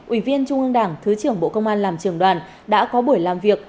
ủy viên trung ương đảng thứ trưởng bộ công an làm trưởng đoàn đã có buổi làm việc